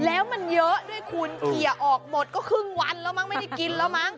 แล้วมันเยอะด้วยคุณเขียออกหมดก็ครึ่งวันแล้วมั้งไม่ได้กินแล้วมั้ง